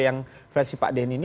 yang versi pak denny ini